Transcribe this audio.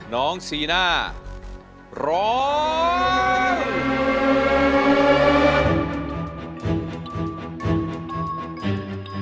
น้องซีน่าร้อง